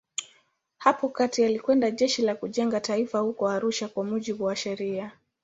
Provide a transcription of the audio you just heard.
Hapo kati alikwenda Jeshi la Kujenga Taifa huko Arusha kwa mujibu wa sheria.